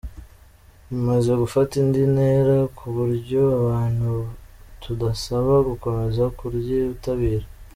Rimaze gufata indi ntera, ku buryo abantu tubasaba gukomeza kuryitabira.